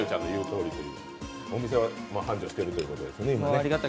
お店は繁盛してるということですね。